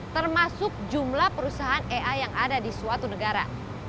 termasuk jumlah perusahaan ai yang ada di suatu negara